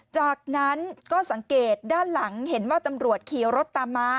จากนั้นก็สังเกตด้านหลังเห็นว่าตำรวจขี่รถตามมา